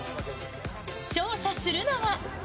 調査するのは。